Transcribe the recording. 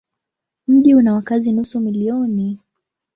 Mji una wakazi nusu milioni.